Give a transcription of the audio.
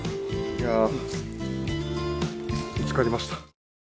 いや見つかりました。